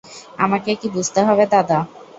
আমাকে কী বুঝতে হবে দাদা?